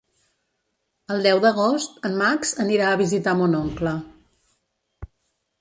El deu d'agost en Max anirà a visitar mon oncle.